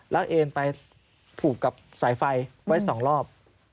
แล้วเอ็นไปผูกกับสายไฟไว้๒รอบ